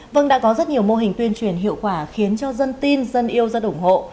vâng đã có rất nhiều mô hình tuyên truyền hiệu quả khiến cho dân tin dân yêu dân ủng hộ